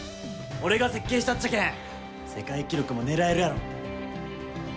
俺が設計したっちゃけん世界記録も狙えるやろ。